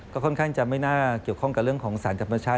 ก็ค่อนข้างจะไม่น่าเกี่ยวข้องกับเรื่องของสารธรรมชาติ